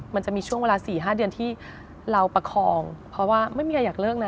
มันจะมีช่วงเวลา๔๕เดือนที่เราประคองเพราะว่าไม่มีใครอยากเลิกนะ